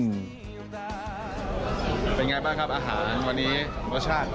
เป็นไงบ้างครับอาหารวันนี้รสชาติ